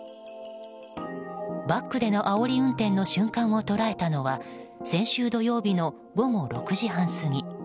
バックでのあおり運転の瞬間を捉えたのは先週土曜日の午後６時半過ぎ。